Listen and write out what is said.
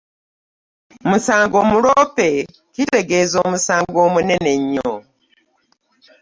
Musango muloope, kitegeeza omusango omunene ennyo.